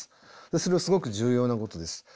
それはすごく重要なことです。